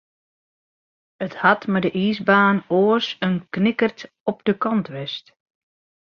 It hat mei dy iisbaan oars in knikkert op de kant west.